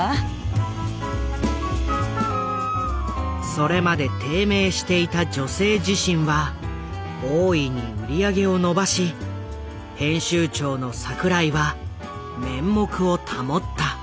それまで低迷していた「女性自身」は大いに売り上げを伸ばし編集長の櫻井は面目を保った。